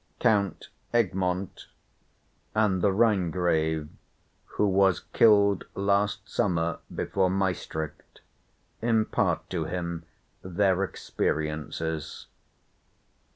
Count Egmont, and the Rhinegrave who "was killed last summer before Maestricht," impart to him their experiences.